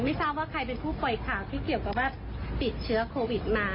ไม่ทราบว่าใครเป็นผู้ปล่อยข่าวที่เกี่ยวกับว่าติดเชื้อโควิดมา